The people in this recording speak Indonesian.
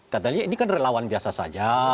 katanya ini kan relawan biasa saja